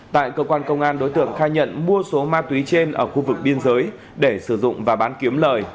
tại cơ quan công an đối tượng khai nhận mua số ma túy trên ở khu vực biên giới để sử dụng và bán kiếm lời